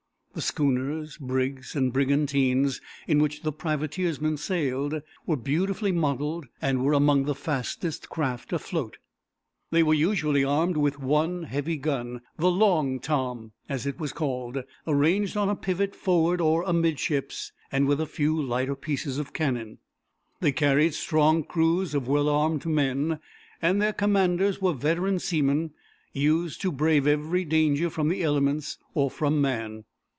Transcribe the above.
The schooners, brigs, and brigantines in which the privateersmen sailed were beautifully modeled, and were among the fastest craft afloat. They were usually armed with one heavy gun, the "long Tom," as it was called, arranged on a pivot forward or amidships, and with a few lighter pieces of cannon. They carried strong crews of well armed men, and their commanders were veteran seamen, used to brave every danger from the elements or from man.